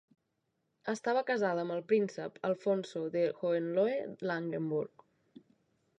Estava casada amb el príncep Alfonso de Hohenlohe-Langenburg.